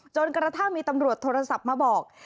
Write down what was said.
จนกระทั่งมีตำรวจโทรศัพท์มาบอก